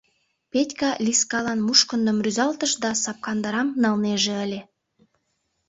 Петька Лискалан мушкындым рӱзалтыш да сапкандырам налнеже ыле.